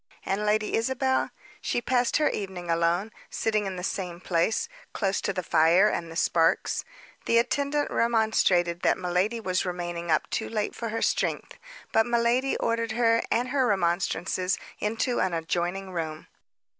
And Lady Isabel? She passed her evening alone, sitting in the same place, close to the fire and the sparks. The attendant remonstrated that miladi was remaining up too late for her strength, but miladi ordered her and her remonstrances into an adjoining room.